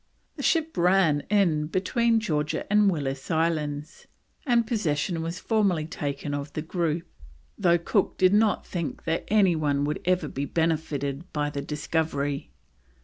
The ship ran in between Georgia and Willis Islands, and possession was formally taken of the group, though Cook did not think that "any one would ever be benefited by the discovery."